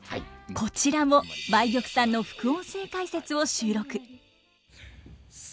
こちらも梅玉さんの副音声解説を収録。